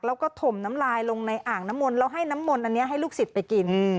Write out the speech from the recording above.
แล้วก็ถมน้ำลายลงในอ่างน้ำมนต์แล้วให้น้ำมนต์อันนี้ให้ลูกศิษย์ไปกิน